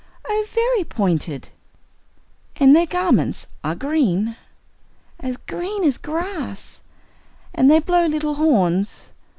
"Oh, very pointed!" "And their garments are green?" "As green as grass." "And they blow little horns?"